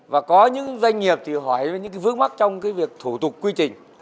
và có những doanh nghiệp thì hỏi về những vước mắt trong việc thủ tục quy trình